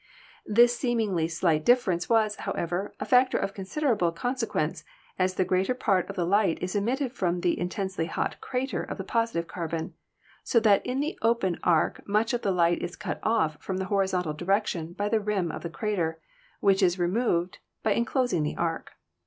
This seemingly slight difference was, however, a factor of considerable con sequence, as the greater part of the light is emitted from the intensely hot crater of the positive carbon, so that in the open arc much of the light is cut off from the horizontal direction by the rim of the crater, which is removed by enclosing the arc.